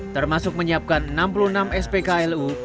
termasuk menyiapkan enam puluh enam spklu